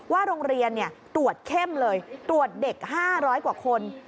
โรงเรียนตรวจเข้มเลยตรวจเด็ก๕๐๐กว่าคน